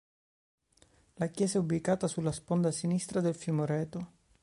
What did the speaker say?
La chiesa è ubicata sulla sponda sinistra del fiume Oreto.